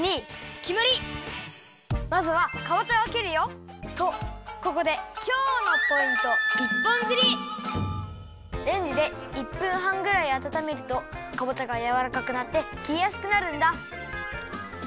まずはかぼちゃをきるよ。とここでレンジで１分はんぐらいあたためるとかぼちゃがやわらかくなってきりやすくなるんだ。